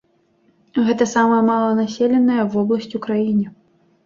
Гэта самая маланаселеная вобласць у краіне.